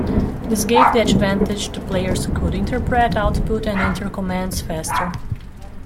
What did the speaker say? This gave the advantage to players who could interpret output and enter commands faster.